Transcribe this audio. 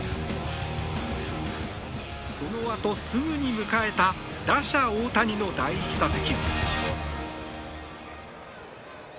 そのあとすぐに迎えた打者・大谷の第１打席。